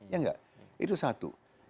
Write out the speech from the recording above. ya gak itu satu